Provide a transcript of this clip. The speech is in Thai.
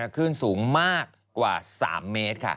ขึ้นสูงมากกว่า๓เมตร